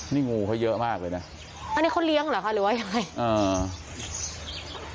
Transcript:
นี่งูเขาเยอะมากเลยนะอันนี้เขาเลี้ยงเหรอคะหรือว่ายังไงอ่า